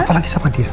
apalagi sama dia